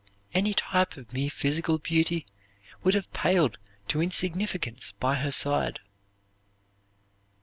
Any type of mere physical beauty would have paled to insignificance by her side."